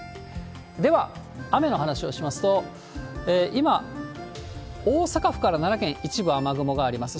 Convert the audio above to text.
では、雨の話をしますと、今、大阪府から奈良県、一部雨雲があります。